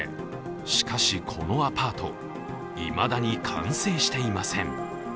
しかし、このアパートいまだに完成していません。